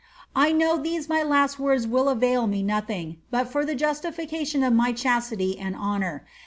I know these my last words will avail me nothing, but for the justification of my chastity and honour.